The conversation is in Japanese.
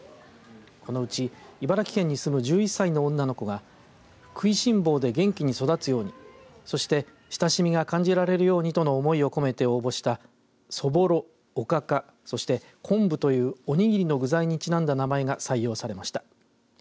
このうち茨城県に住む１１歳の女の子が食いしん坊で元気に育つようにそして親しみが感じられるようにとの思いを込めて応募したそぼろ、おかかそして、こんぶというおにぎりの具材にちなんだ名前が採用されました。